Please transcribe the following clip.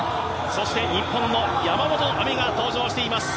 そして日本の山本亜美が登場しています。